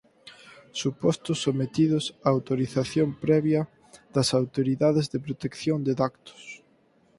Supostos sometidos a autorización previa das autoridades de protección de datos.